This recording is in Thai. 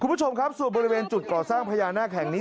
คุณผู้ชมครับส่วนบริเวณจุดก่อสร้างพญานาคแห่งนี้